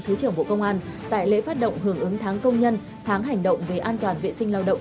thứ trưởng bộ công an tại lễ phát động hưởng ứng tháng công nhân tháng hành động về an toàn vệ sinh lao động